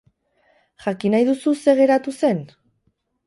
Jakin nahi duzu zer geratu zen?